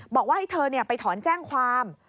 บอกว่าให้เธอไปถอนแจ้งความ